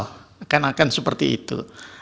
karena akan seperti itu